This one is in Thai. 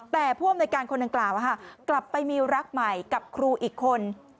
แต่ผู้หญิงรกันคนอันกราวกลับไปมีรักใหม่กับครูอีกคน